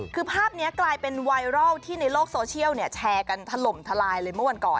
คือภาพนี้กลายเป็นไวรัลที่ในโลกโซเชียลแชร์กันถล่มทลายเลยเมื่อวันก่อน